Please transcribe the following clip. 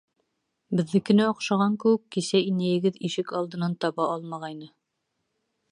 Беҙҙекенә оҡшаған кеүек, кисә инәйегеҙ ишек алдынан таба алмағайны.